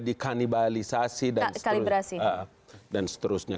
dikanibalisasi dan seterusnya